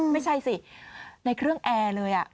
ไม่ใช่สิในเครื่องแอร์เลย